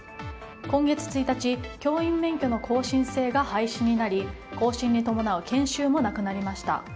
今月１日、教員免許の更新制が廃止になり更新に伴う研修もなくなりました。